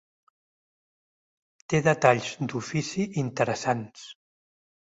Té detalls d'ofici interessants.